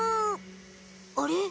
あれ？